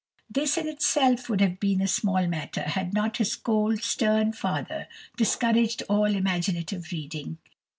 This in itself would have been a small matter had not his cold, stern father discouraged all imaginative reading.